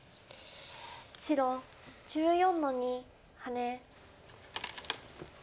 白１４の二ハネ。